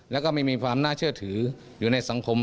แล้วก็ไม่มีความน่าเชื่อถืออยู่ในสังคม